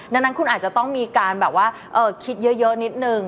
ดังนั้นคุณอาจจะต้องมีการแบบว่าคิดเยอะนิดนึง